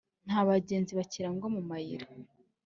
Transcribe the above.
nta bagenzi bakirangwa mu mayira.